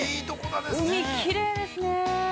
海きれいですね。